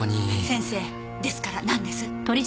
先生ですからなんです？